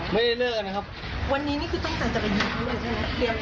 หน้าเลิกไปเดียวไม่ใช่หรอ